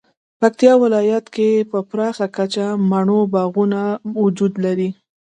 پکتیکا ولایت کې په پراخه کچه مڼو باغونه وجود لري